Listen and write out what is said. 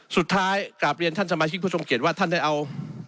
สุดท้ายกราบเรียนท่านสมาชิกผู้ชมเกียจว่าท่านได้เอา